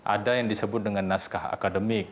ada yang disebut dengan naskah akademik